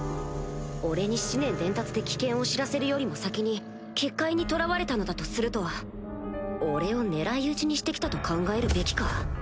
俺に思念伝達で危険を知らせるよりも先に結界にとらわれたのだとすると俺を狙い撃ちにして来たと考えるべきか？